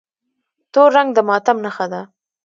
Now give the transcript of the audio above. تور رنګ د ماتم نښه ده.